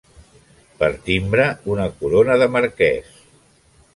Per timbre una corona de marquès.